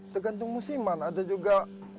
tergantung musiman ada juga